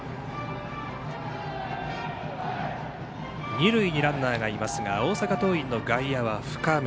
二塁にランナーがいますが大阪桐蔭の外野は深め。